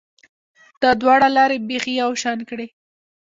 دا دواړې لارې بیخي یو شان کړې